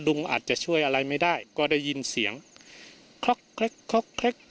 ลุงอาจจะช่วยอะไรไม่ได้ก็ได้ยินเสียงคลอกแคลก